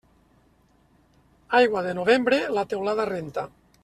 Aigua de novembre, la teulada renta.